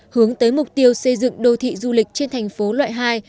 hướng tới mục tiêu xây dựng đô thị du lịch trên thành phố loại hai